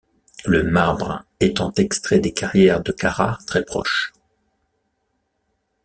Le marbre étant extrait des carrières de Carrare très proches.